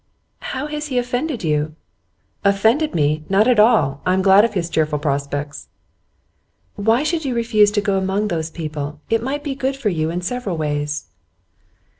'How has he offended you?' 'Offended me? Not at all. I am glad of his cheerful prospects.' 'Why should you refuse to go among those people? It might be good for you in several ways.